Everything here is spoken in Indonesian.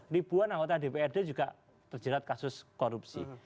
ribuan anggota dprd juga terjerat kasus korupsi